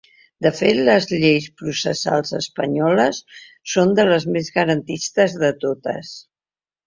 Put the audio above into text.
De fet, les lleis processals espanyoles són de les més garantistes de totes.